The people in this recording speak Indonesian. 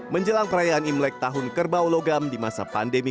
menjelang perayaan imlek tahun kerbau logam di masa pandemi